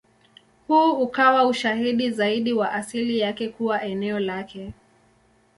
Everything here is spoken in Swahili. Huu ukawa ushahidi zaidi wa asili yake kuwa eneo lake.